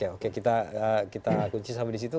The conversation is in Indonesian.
oke kita kunci sampai disitu